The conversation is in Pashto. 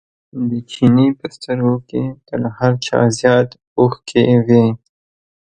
د چیني په سترګو کې تر هر چا زیات اوښکې وې.